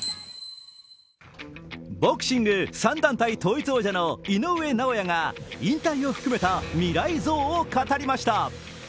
ボクシング３団体統一王者の井上尚弥が引退を含めた未来像を語りました。